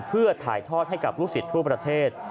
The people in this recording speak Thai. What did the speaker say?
เพื่อถ่ายทอดให้กับลูกศิษย์ทั่วประเทศ